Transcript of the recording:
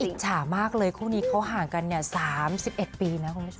อิจฉามากเลยคู่นี้เขาห่างกัน๓๑ปีนะคุณผู้ชม